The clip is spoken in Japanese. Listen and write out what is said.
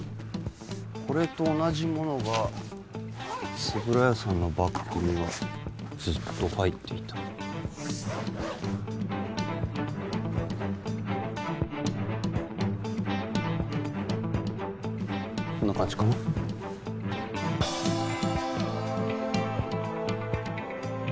これと同じものが円谷さんのバッグにはずっと入っていたこんな感じかな